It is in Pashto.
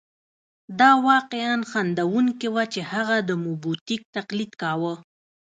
دا واقعاً خندوونکې وه چې هغه د موبوتیک تقلید کاوه.